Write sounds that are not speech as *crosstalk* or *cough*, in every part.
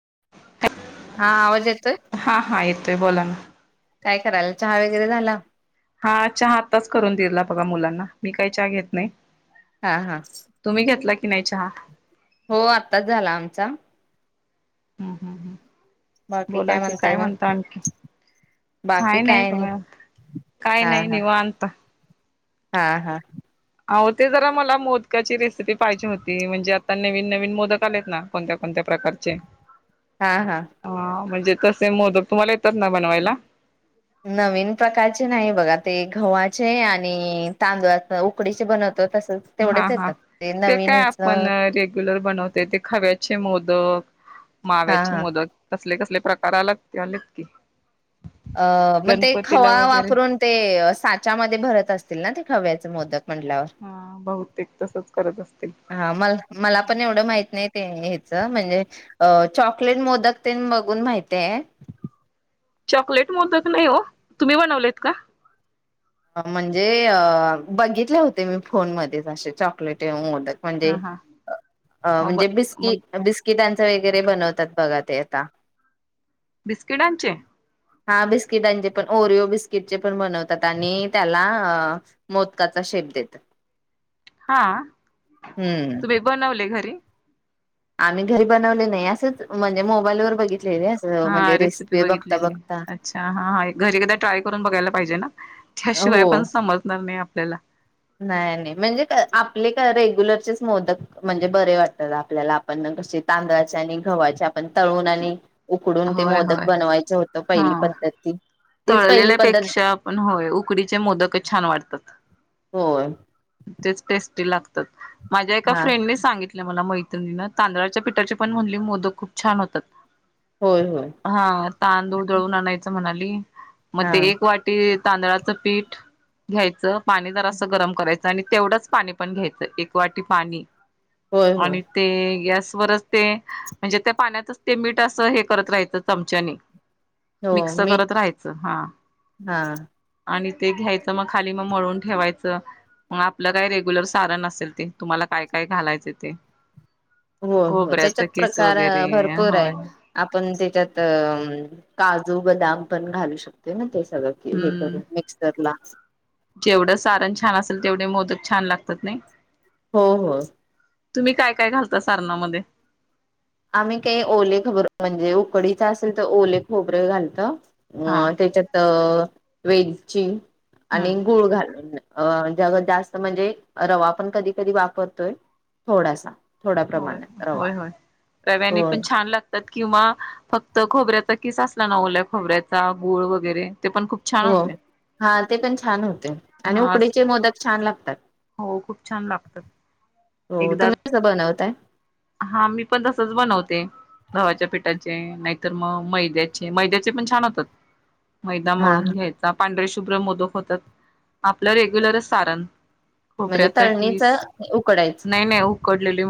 *inaudible* हा आवाज येतोय हा हा येतोय बोला ना काय करायला चहा वगैरे झाला हा चहा आत्ताच करून दिला बघा मुलांना मी काही चहा घेत नाही हा हा कि नाही चहा हो आत्ताच झाला आमचा हम्म हम् हम्म बाकी बोला की म्हणताय काय मग म्हणता आणखी काय नाही बघा काय हा नाही हा निवांत आपलं हा हा अहो ते जरा मला मोदकाची रेसिपी पाहिजे होती म्हणजे आता नवीन नवीन मोदक आलेत ना कोणत्या कोणत्या प्रकारचे हा हा हा म्हणजे कसे मोदक तुम्हाला येतात ना बनवायला नवीन प्रकारचे नाही बघा ते गव्हाचे आणि तांदूळ उकडीचे बनव हा हा ते काय हेच आपण हा रेग्युलर बनवते ते खव्याचे मोदक माव्याची हा मोदक कसले कसले प्रकार ते आलेत की अ मग ते गणपतीला खवा वगैरे वापरून ते साच्यामध्ये भरत असतील ना ते खव्याचे मोदक म्हटल्यावर हा बहुतेक तसच करत असतील. हा म मला पण एवढं माहित नाही ते हच म्हणजे चॉकलेट मोदक तेन बघून माहिती आहे चॉकलेट मोदक माहिती नाही हो तुम्ही बनवलेत का म्हणजे बघितले होते मी फोन मध्ये असे चॉकलेट मोदक हा हा. मग म्हणजे मग बिस्कीट पासून वगैरे बनवतात बघा ते आता बिस्किटांचे हा बिस्किटांचे पण ओरिओ बिस्किट चे पण बनवतात आणि त्याला मोदकाचा शेप देत हा तु्ही बनवले घरी आम्ही घरी बनवले नाही असंच म्हणजे मोबाईलवर बघित हा रेसिपी बघितलेली बघता अच्छा हाा घरी एकादा ट्राय करून बघायला पाहिजे ना त्याशिवाय हो पण समजणार नाही ला नाही नाही म्हणजे आपले का रेग्युलरचेच मोदक म्हणजे बरे वाटतात आपल्याला आपण कसे तांदळाचे आणि गव्हाचे आपण तळून आणि उकडून ते होय मोदक होय बनवायचं होतं हा पहिली पद्धती तळलेल्यापेक्षा आपण होय उकडीचे मोदकच छान वाढतात हो टेस्टी लागतात माझ्या एका फ्रेंडने सांगितलं मला मैत्रिणी तांदळाच्या पिठाची पण म्हणली मोदक खूप छान होतात होय होय हा तांदूळ जळून आणायचं म्हणाले ह म हा एक वाटी तांदळाचं पीठ घ्यायचं पाणी दर असं गरम करायचं आणि तेवढंच पाणी पण घ्यायचं एक वाटी पाणी होय हो आणि ते गॅस ते म्हणजे त्या पाण्यातच ते मीठ असं हे करत राहायचं चमच्यानी हो मिक्स मी करत राहायचं हा आणि ते घ्यायचं मग खाली मग मळून ठेवायचं मग आपलं काय रेग्युलर सारण असेल ते तुम्हाला काय काय घालायचं ते हो हो खोबऱ्याच त्याच्यात किस प्रकार वगैरे भरपूर होय आहे आपण त्याच्यात का जु बदाम पण घालू शकते ना ते सगळं हे हम्म करून मिक्सरला जेवढं सारण छान असेल तेवढे मोदक छान लागतात नाही हा हा तुम्ही काय काय घालता सारणामध्ये आम्ही काही ओले खोबर म्हणजे उकडीच असेल तर ओले खोबरे घालत अ हा त्याच्यात वेजचीिंग ह आणि गूळ घालून अ जगात जास्त म्हणजे रवा पण कधी कधी वापरतोय थोडासा थोडा होय प्रमाणे रवा होय होय हो रव्याने पण छान लागतात किंवा फक्त खोबऱ्याचा किस असला ना ओल्या खोबऱ्याचा गोळ वगैरे ते पण खूप छान हो होते हा ते पण छान होते आणि हा उकडीचे मोदक छान लागतात हो खूप छान लागतात हो एकदा तुम्ही कसं बनवताय हा मी पण तसच बनवते गव्हाच्या पिठाचे नाहीतर मग मैद्याचे मैद्याचे पण छान होतात मैदा हा मळून हा घ्यायचा पांढरे शुभ्र मोदक होतात आपलं रेग्युलर सारण म्हणजे खोबऱ्याचा तळणीच उकडायचं *inaudible* कडले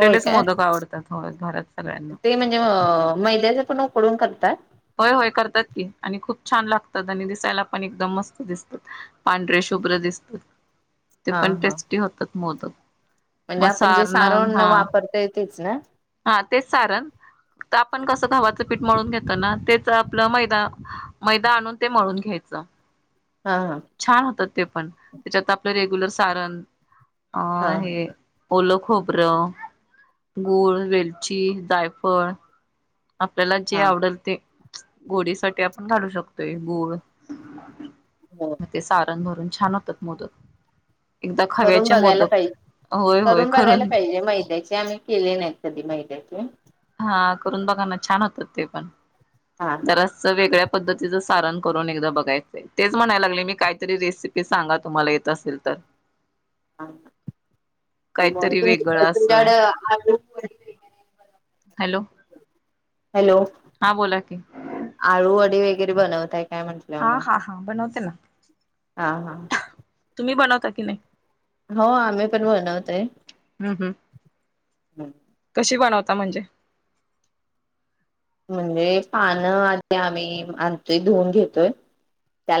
होय काय काय? सगळ्यांना होय होय करतात की आणि खूप छान लागतात आणि दिसायलाही एकदम मस्त दिसतं पांढरे शुभ्र दिसतं. ते हा पण हा टेस्टी होतात मोदक. म्हणजे मग आपण जे सारण हा वापरतय - - तेच ना? हा तेच सारण तर आपण कसं गव्हाचं पीठ मळून घेतो ना तेच आपलं मैदा मैदा आणून ते मळून घ्यायचं. हा हा छान होतात. ते पण त्याच्यात आपलं रेग्युलर सारण - - हा, हे. ओल खोबर, गुळ, वेलची, जायफळ, आपल्याला जे हा आवडलं ते - - गोडीसाठी आपण घालू शकतोय गुळ - हो - म ते सारण - - भरून छान होतात मोदक. एकदा करून खव्याचे बघायला मोदक पाहिजे होय होय करून बघायला पाहिजे मैद्याचे आम्ही केले नाहीत कधी मैद्याचे. हा करून बघाना छान होतात ते पण. हा जरास वेगळ्या - - पद्धतीचं सारण करून एकदा बघायचंय तेच म्हणायला लागले मी काहीतरी रेसिपी सांगा तुम्हाला येत असेल तर - - ह मग तुम वेगळं तुमच्याकड असं आंबिल - - ब *unintelligible* हॅलो. हॅलो हा बोला की आळूवडी वगैरे बनवत - - हा हा हा बनवत - - ना. हा हा. तुम्ही बनवता की नाही? हो. आम्ही पण बनवतोय. हम्म हम्म ता म्हणजे? म्हणजे पानं आधी आम्ही आणतोय धुऊन घेतोय.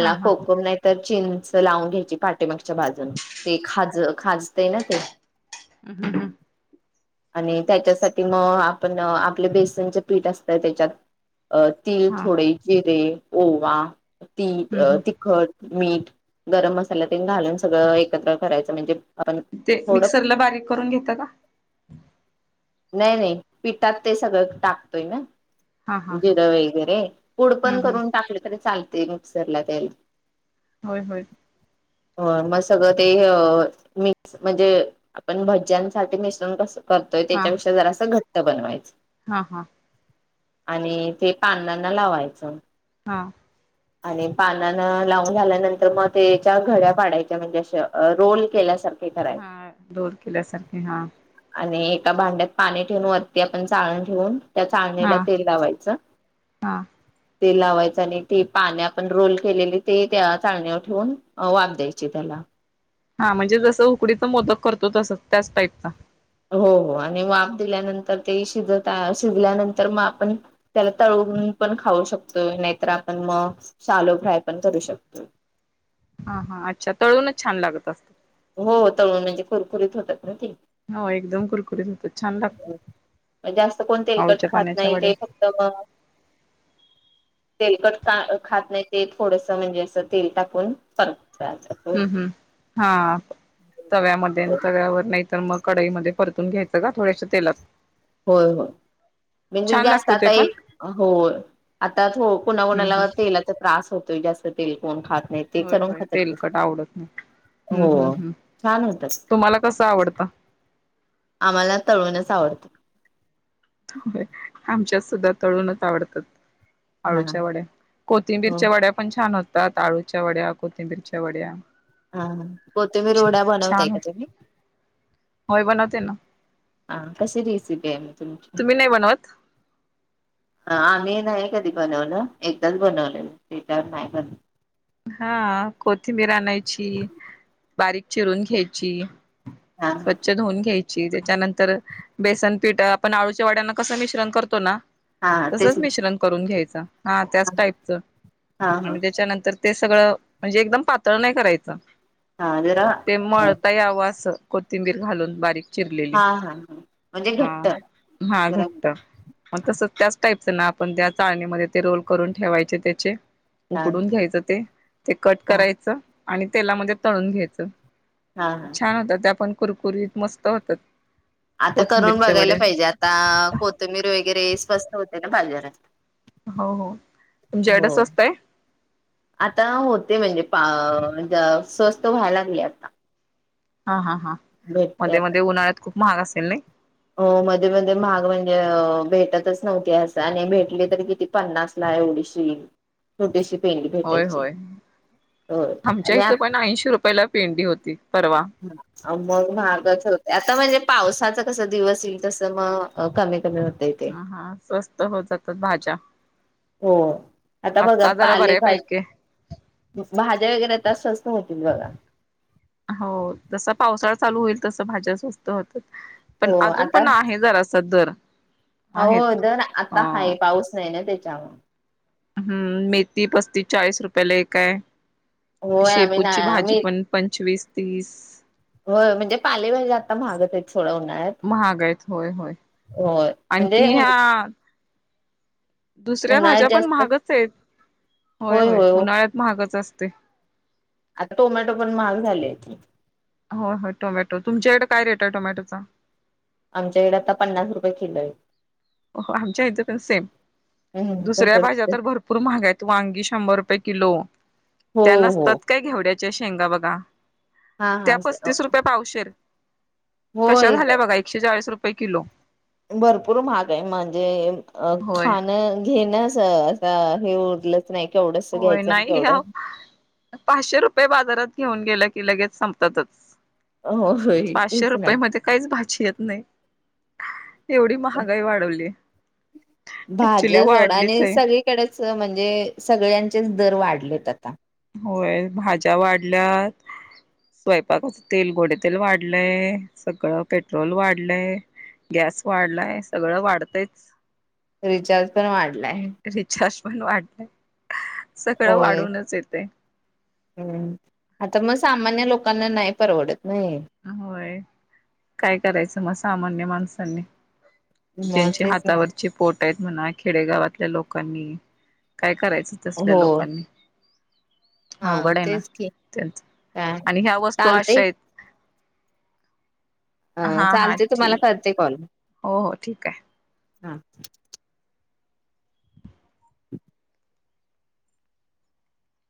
हा हा कोकम नाही तर - - चिंच लावून घ्यायची पाटेमागच्या बाजून ते खाज खाजते ना ते - - हम् हम् हम. आणि त्याच्यासाठी मग आपण आपले बेसनचे पीठ असत. त्याच्यात - - अ तीळ हा थोडे जिरे - - ओवा ती हम्म हम्म तिखट मीठ गरम मसाल्यात घालून सगळं एकत्र करायचं म्हणजे आपण ते थोडं मिक्सरला बारीक करून घेता का? नाही नाही पिठात ते सगळं टाकतोय ना. हा हा हा जिरं वगैरे पुूड हम्म पण हम्म करून टाकले तरी चालत. ते मीक्सरला त्याल होय होय हो मग सगळं ते मिक्स म्हणजे आपण भज्यांसाठी मिश्रण कस करतोय हा त्याच्यापेक्षा जरा असं घ बनवायचं हा हा आणि ते पानांना लावायचं. हा आणि पानान लावून झाल्यानंतर मग त्याच्या घड्या पाडायच्या म्हणजे रोल केल्यासारख हा दोर केल्यासारखे हा आणि एका भांड्यात पाणी ठेवन वरती आपण चाळण ठेवून त्या चाळणीला हा तेल लावायचं हा तेल लावायचं आणि ते पाने आपण रोल केलेली ते त्या चाळण्यावर ठेवून वाफ द्यायची त्याला हा म्हणजे जसं उकडीच मोदक करतो तसं त्याच टाईपचा. हो हो आणि वाप दिल्यानंतर ते शिजत शिजल्यानंतर मग आपण त्याला तळून पण खाऊ शकतोय नाहीतर आपण मग शलो फ्राय पण करू शकतोय. हा हा अच्छा तळूनच छान लागत असत. हो तळण म्हणजे कुरकुरीत होतात ना ते. हो एकदम कुरकुरीत होत छान लागत जास्त कोण तेलकट आळूच्या खात पाण्याच्या नाही वड्या ते फक्त म तेलकट खात नाही. ते थोडस म्हणजे असं तेल टाकून पर हम्म हम्म हा तव्यामध्ये तव्यावर नाही. तर मग कडाईमध्ये परतून घ्यायचं का थोड्याश तेलात होय होय म्हणजे छान जास्त लागतं ते आता पण एक हो आता हम्म कोणाकणाला हम्म तेलाचा त्रास होतो जास्त तेल कोण खात नाही ते होय करून होय खातात तेलकट आवडत नाही हम्म हम्म हो हम्म छान होतात तुम्हाला कसं आवडतं आम्हाला तळूनच आवडत. हो *inaudible* आमच्यात सुद्धा तळूनच आवडतात. हा आळूच्या वड्या हो कोथिंबीरच्या वड्या पण छान होत अळूच्या वड्या कोथिंबीरच्या वड्या हा ह हो तुम्ही रोडा बनवताय छान का होत तुम्ही होय बनवते ना हा कशी रेसिपी आहे म तुम्ही नाही बनवत हा मी नाही कधी बनवलं एकदाच बनवलं ते काय नाही ब हा कोथिंबीर आणायची बारीक चिरून घ्यायची हा स्वच्छ धुऊन घ्यायची त्याच्यानंतर बेसन पीठ आपण आळूच्या वाड्यांना कसं मिश्रण करतो ना हा हा तेच तसच मी मिश्रण करून घ्यायचं *inaudible* हा त्याच टाईपचं हा हा आणि त्याच्यानंतर ते सगळं म्हणजे एकदम पातळ नाही करायचं हा जरा ते अ मळता यावं असं कोथिंबीर घालून बारीक चिरलेली हा हा हा म्हणजे हा घट्ट हा जरा घट्ट मग तस त्याच टाईपच ना आपण त्या चाळणीमध्ये ते रोल करून ठेवायचे त्याचे हा उकडून घ्यायचं ते ते कट हा करायचं आणि तेलामध्ये तळून घ्यायचं हा हा छान होता त्या पण कुरकुरीत मस्त होतात आता करून कोथिंबीरचे बघायला वडे पाहिजे आता कोथंबीर वगैरे स्वस्त होते ना भाज्या अ *inaudible* हो हो तुमच्या कड स्वस्ताय अ स्वस्त व्हायला लागले आता हा हा ह भेटते मध्ये आता मध्ये उन्हाळ्यात खूप. महाग असे नाइ. हो मध्ये मध्ये महाग म्हणजे भेटतच नव्हती, अस आणि भेटली तररी किती पन्नास ला एवढीशी छोटीशी. पेंडी होय भेटायची होय हो आमच्या आणि इथ पण ऐंशी रुपयाला पेंडी होती, पर हा मग महागच होते आता म्हणजे. पावसाचा कस दिवस येईल तस मग कमी. कमी होतय ते हा हा स्वस्त होतात भाज्या. हो आता बघा आत्ता जरा पालेभज बऱ्यापैकी भाज्या वगैरे आता स्वस्तत. तिनवाला. हो, जसा पावसाळा चालू होईल तस भाज्या स्वस्त होतात. पण हो अजून आता पण आहे, जरास तर. हो दर आता हाय. पाऊस नाही ना त्या जाव. हं, मेथी पस्तीस चाळीस रुपयाला एकय. होय आम्ही ना शेपूची भाजी पण पंचवीस, तीस, हो म्हणजे पाले भाज्या आता माहागच आहेच. महाग आहेत. होय होय. होय म्हणजे आणखी उन ह्या दुसऱ्या भाज्या उन्हाळ्यात पण जास्त महागच आहेत. होय होय, उन्हाळ्यात महागच असत. ते. आता टोमॅटो पण महाग झाले. हो होय टोमॅटो, तुमच्याकडे काय रेट आहे टोमॅटोचा? आमच्याकडे आता पन्नास रुपये किलो आहे. हो आमच्या इथं पण सेम. हम्म दुसऱ्या तसच भाज्या ते तर भरपूर महागाय. वांगी शंभर रुपये किलो, हो त्यांना हो तत्काय घेवड्या च्या शेंगा बघा. हा त्या हा स पस्तीस रुपये पावशेर. कशा होय झाल्या बघा एकशे चाळीस रुपये रुपये किलो. भर पूर महाग म्हणजे होय खा, घेन, च आता हे उरलं च ना होय. नाही आओ पाचशे रुपये बाजारात घेऊन गेलं की लगेच संपतातच. हो होय पाचशे तेच ना रुपये मध्ये काहीच भाजी येत नाही. एवढी महागाई वाढवली. ऍक्च्युली भाज्या जोडाने वाढलीच आहे सगळीकडे च म्हणजे सगळ्यांचेच दर वाढलेत आता. होय भाज्या वाढल्यात, स्वयंपाकाच तेल गोडे तेल वाढलंय, सगळं पेट्रोल वाढलंय, गॅस वाढलाय सगळं वाढतंयच. रिचार्ज पण वाढला आहे. रिचार्ज पण वाढलंय. सगळं होय वाढूनच येत. ते. हम्म आता मगं सामान्य लोकांना नाही परवडत. ना हे. होय काय करायचं मगं सामान माणसांनी मग ज्यांचे तेच ना हातावरची पोट आहेत? म्हणा खेडेगावातल्या लोकांनी काय करायचं तसल्या हो लोकांनी हा अवघड आहे ना तेच की काय आणि ह्या वस्तू अशा चालतय. आहेत अ हा हा चालते ठीक तुम्हाला करते कॉल! हो हो ठीक आहे. हा.